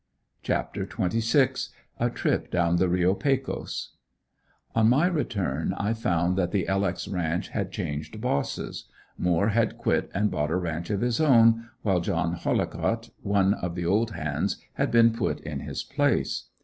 CHAPTER XXVI. A TRIP DOWN THE REO PECOS. On my return I found that the "L. X." ranch had changed bosses. Moore had quit and bought a ranch of his own, while John Hollicott, one of the old hands had been put in his place.